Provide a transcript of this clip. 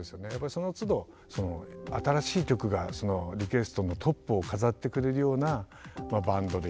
そのつど新しい曲がリクエストのトップを飾ってくれるようなバンドでいたいと。